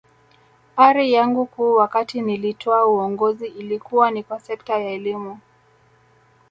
Ari yangu kuu wakati nilitwaa uongozi ilikuwa ni kwa sekta ya elimu